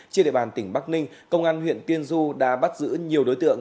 trên địa bàn tỉnh bắc ninh công an huyện tiên du đã bắt giữ nhiều đối tượng